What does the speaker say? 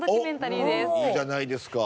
いいじゃないですか。